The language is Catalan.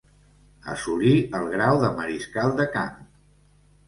Assolí el grau de mariscal de camp.